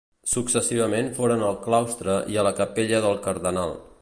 Successivament foren al claustre i a la capella del Cardenal.